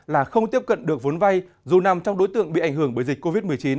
là không tiếp cận được vốn vay dù nằm trong đối tượng bị ảnh hưởng bởi dịch covid một mươi chín